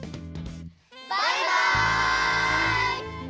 バイバイ！